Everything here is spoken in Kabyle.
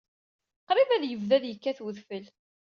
Qrib ad yebdu ad yekkat udfel.